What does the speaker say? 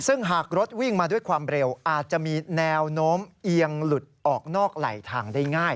ซึ่งหากรถวิ่งมาด้วยความเร็วอาจจะมีแนวโน้มเอียงหลุดออกนอกไหลทางได้ง่าย